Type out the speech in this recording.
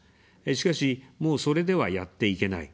しかし、もう、それでは、やっていけない。